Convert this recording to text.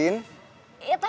itu kan biasa lin